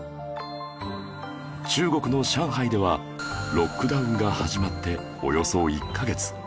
中国の上海ではロックダウンが始まっておよそ１カ月